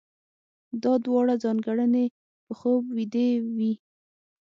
دا دواړه ځانګړنې په خوب ويدې وي.